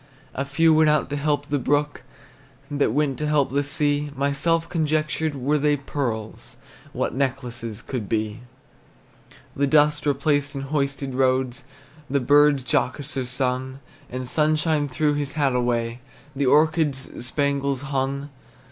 A few went out to help the brook, That went to help the sea. Myself conjectured, Were they pearls, What necklaces could be! The dust replaced in hoisted roads, The birds jocoser sung; The sunshine threw his hat away, The orchards spangles hung.